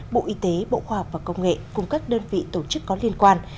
bộ y tế bộ khoa học và công nghệ cùng các đơn vị tổ chức có liên quan